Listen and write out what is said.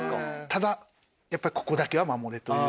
ただやっぱりここだけは守れという。